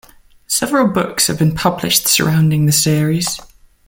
Several books have been published surrounding the series.